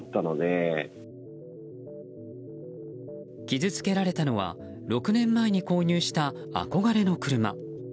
傷つけられたのは６年前に購入した憧れの車。